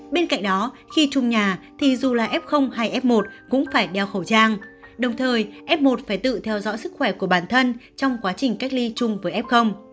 bên cạnh đó khi chung nhà thì dù là f hay f một cũng phải đeo khẩu trang đồng thời f một phải tự theo dõi sức khỏe của bản thân trong quá trình cách ly chung với f